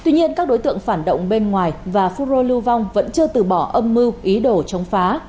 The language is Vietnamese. tuy nhiên các đối tượng phản động bên ngoài và phun rô lưu vong vẫn chưa từ bỏ âm mưu ý đồ chống phá